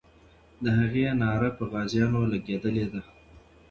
د هغې ناره پر غازیانو لګېدلې ده.